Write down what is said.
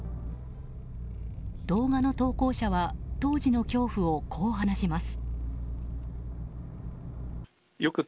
動画の投稿者は当時の恐怖をこう話します。